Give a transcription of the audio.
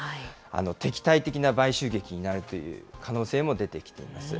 敵対的な買収劇になるという可能性も出てきています。